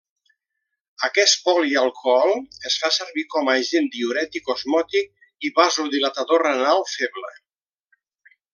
Aquest polialcohol es fa servir com agent diürètic osmòtic i vasodilatador renal feble.